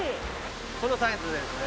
このサイズですね。